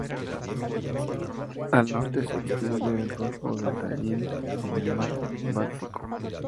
Al norte se extiende el golfo de Tallin en el mar Báltico.